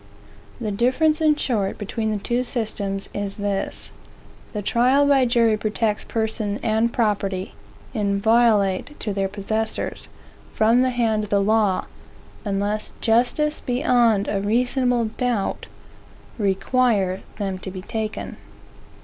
The difference, in short, between the two systems, is this. The trial by jury protects person and property, inviolate to their possessors, from the hand of the law, unless justice, beyond a reasonable doubt, require them to be taken.